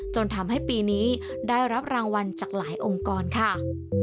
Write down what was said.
จนทำให้ปีนี้ได้รับรางวัลจากหลายองค์กรค่ะ